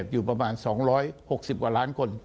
อยู่ประมาณ๒๖๐กว่าล้านคน